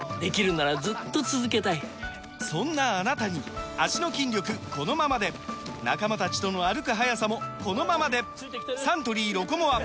そんなあなたに脚の筋力このままで仲間たちとの歩く速さもこのままでサントリー「ロコモア」！